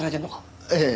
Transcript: ええ。